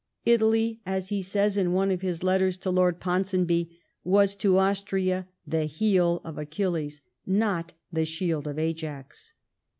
Italy, as he says in one of his letters to Lord Ponsonby, was to Austria the heel of Achilles, not the shield of Ajax.